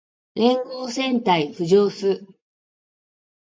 連合艦隊浮上す